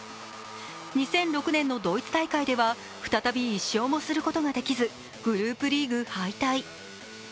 ２００６年のドイツ大会では再び１勝もすることができず、グループリーグ敗退。